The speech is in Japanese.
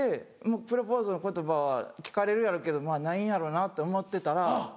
プロポーズの言葉は聞かれるやろうけどないんやろうなと思ってたら。